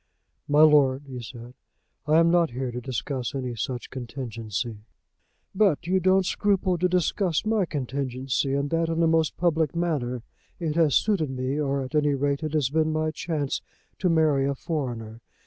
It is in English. "My lord," he said, "I am not here to discuss any such contingency." "But you don't scruple to discuss my contingency, and that in the most public manner. It has suited me, or at any rate it has been my chance, to marry a foreigner.